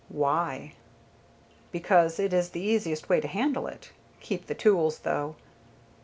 "Why?" "Because it is the easiest way to handle it. Keep the tools, though."